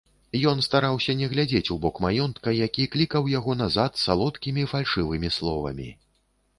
Ён стараўся не глядзець у бок маёнтка, які клікаў яго назад салодкімі фальшывымі словамі.